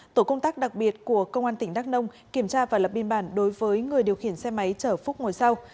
tổ công tác đặc biệt của công an tỉnh đắk nông kiểm tra và lập biên bản đối với người điều khiển xe máy chở phúc ngồi sau